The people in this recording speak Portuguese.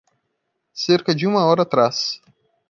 Cerca de uma hora atrás.